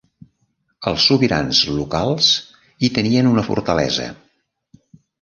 Els sobirans locals hi tenien una fortalesa.